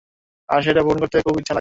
আর, সেটা পূরণ করতে খুব ইচ্ছা লাগে।